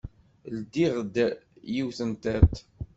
Ldiɣ-d yiwet n tiṭ.